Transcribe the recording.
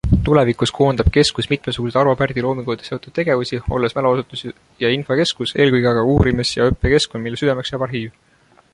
Tulevikus koondab keskus mitmesuguseid Arvo Pärdi loominguga seotud tegevusi, olles mäluasutus ja infokeskus, eelkõige aga uurimis- ja õppekeskkond, mille südameks jääb arhiiv.